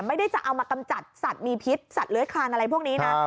ไม่ได้จะเอามากำจัดสัตว์มีพิษสัตว์เลื้อยคลานอะไรพวกนี้นะ